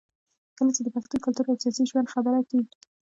کله چې د پښتون کلتور او سياسي ژوند خبره کېږي